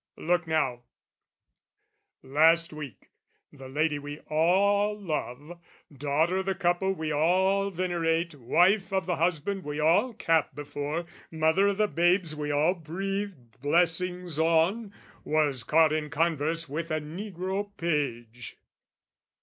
Look now, last week, the lady we all love, Daughter o' the couple we all venerate, Wife of the husband we all cap before, Mother o' the babes we all breathe blessings on, Was caught in converse with a negro page.